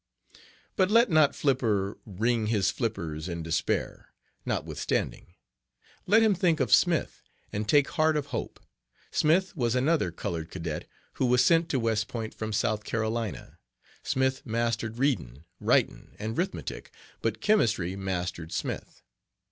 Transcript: "But let not Flipper wring his flippers in despair, notwithstanding. Let him think of Smith, and take heart of hope. Smith was another colored cadet who was sent to West Point from South Carolina. Smith mastered readin', 'ritin', and 'rithmetic, but chemistry mastered Smith.